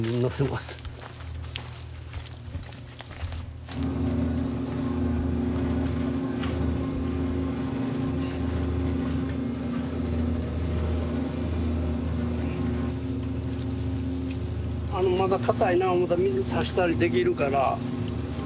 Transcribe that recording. まだ硬いな思ったら水差したりできるから。